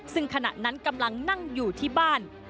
ซึ่งขณะนั้นกำลังนั่งอยู่ที่บ้าน